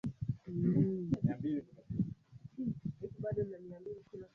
kazi yake haikuifurahisha serikali ya polandi